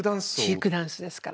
チークダンスですから。